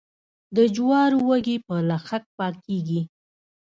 د جوارو وږي په لښک پاکیږي.